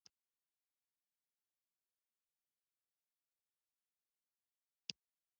د بونېر پۀ يو سکول کښې وکړې